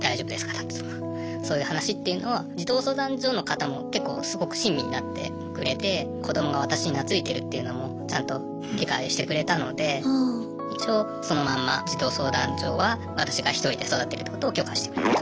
だとかそういう話っていうのを児童相談所の方も結構すごく親身になってくれて子どもが私に懐いてるっていうのもちゃんと理解してくれたので一応そのまんま児童相談所は私がひとりで育てるってことを許可してくれたと。